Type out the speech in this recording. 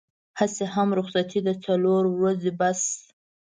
هسې هم رخصتي ده څلور ورځې بس.